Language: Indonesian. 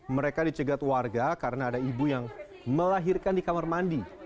mereka dicegat warga karena ada ibu yang melahirkan di kamar mandi